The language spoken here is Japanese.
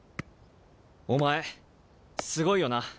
お前すごいよな。